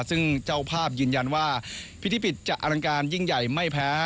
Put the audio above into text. ซึ่งเจ้าภาพยืนยันว่าพิธีปิดจะอลังการยิ่งใหญ่ไม่แพ้